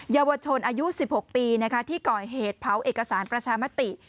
เยาวชนอายุ๑๖ปีที่ก่อเหตุเผาเอกสารประชามติ